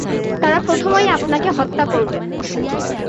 তারা প্রথমেই আপনাকে হত্যা করবে।